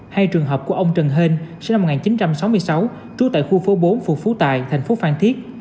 hay trường hợp của ông trần hên sinh năm một nghìn chín trăm sáu mươi sáu trú tại khu phố bốn phường phú tài thành phố phan thiết